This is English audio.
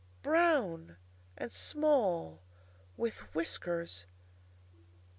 Brown and small, with whiskers.